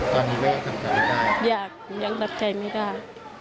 ตอนนี้แม่คำถามได้หรือเปล่าอย่างนี้ยังรับใจไม่ได้